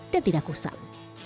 dan tidak kusam